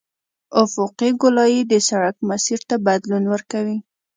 افقي ګولایي د سرک مسیر ته بدلون ورکوي